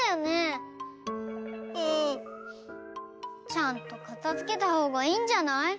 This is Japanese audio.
ちゃんとかたづけたほうがいいんじゃない？